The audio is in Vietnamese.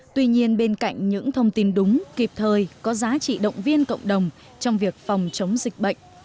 tuy nhiên bên cạnh những thông tin đúng kịp thời có giá trị động viên cộng đồng trong việc phòng chống dịch bệnh